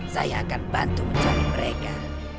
saya akan bantu mencari mereka